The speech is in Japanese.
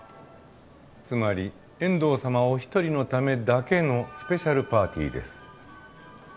つまり遠藤さまお一人のためだけのスペシャルパーティーです。